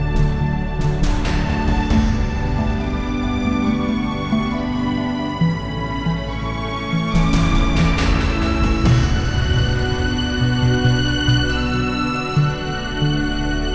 sus dicatat data penghatiannya ya